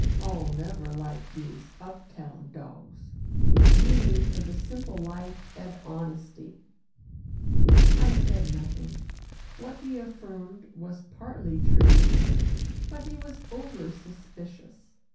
I'll never like these up town dogs. Me for the simple life and honesty." I said nothing. What he affirmed was partly true, but he was over suspicious.